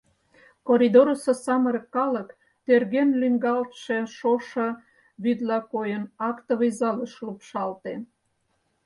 Коридорысо самырык калык, тӧрген лӱҥгалтше шошо вӱдла койын, актовый залыш лупшалте.